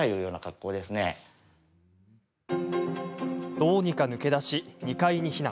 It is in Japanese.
どうにか抜け出し、２階に避難。